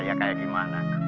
di raya kayak gimana